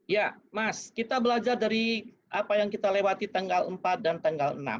ya mas kita belajar dari apa yang kita lewati tanggal empat dan tanggal enam